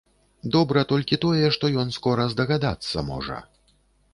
Добра толькі тое, што ён скора здагадацца можа.